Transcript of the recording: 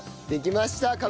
できました。